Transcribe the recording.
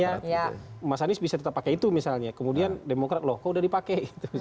ya mas anies bisa tetap pakai itu misalnya kemudian demokrat loh kok udah dipakai